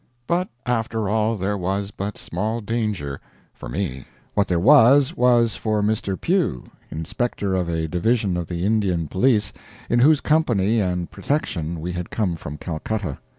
But after all, there was but small danger for me. What there was, was for Mr. Pugh, inspector of a division of the Indian police, in whose company and protection we had come from Calcutta.